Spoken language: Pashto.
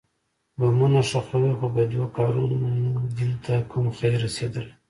بمونه ښخوئ خو په دو کارونو مو دين ته کوم خير رسېدلى.